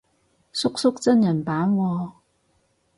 叔叔真人版喎